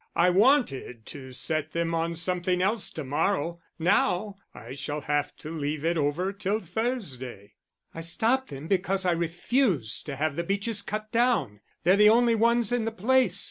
I wanted to set them on something else to morrow, now I shall have to leave it over till Thursday." "I stopped them because I refuse to have the beeches cut down. They're the only ones in the place.